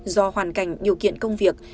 do hoàn cảnh nhiều kiện công việc